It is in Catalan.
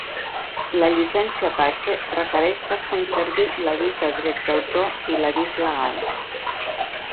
La llicència Apache requereix que es conservi l'avís de drets d'autor i l'avís legal.